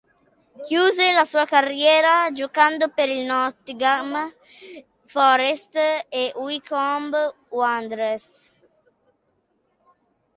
Chiuse la sua carriera giocando per Nottingham Forest e Wycombe Wanderers.